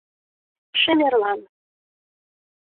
Шемерлан